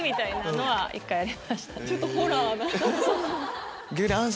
ちょっとホラーな。